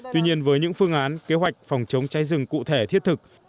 tuy nhiên với những phương án kế hoạch phòng chống cháy rừng cụ thể thiết thực